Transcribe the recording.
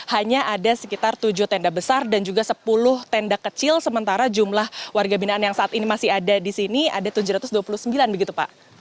hanya ada sekitar tujuh tenda besar dan juga sepuluh tenda kecil sementara jumlah warga binaan yang saat ini masih ada di sini ada tujuh ratus dua puluh sembilan begitu pak